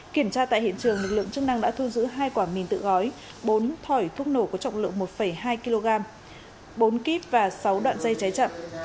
kiểm tra tại hiện trường lực lượng chức năng đã thu giữ hai quả mìn tự gói bốn thỏi thuốc nổ có trọng lượng một hai kg bốn kíp và sáu đoạn dây cháy chậm